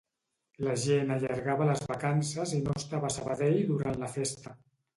La gent allargava les vacances i no estava a Sabadell durant la festa